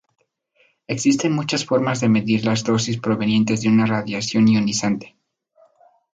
Existen muchas formas de medir las dosis provenientes de una radiación ionizante.